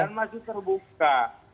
dan masih terbuka